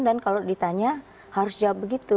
dan kalau ditanya harus jawab begitu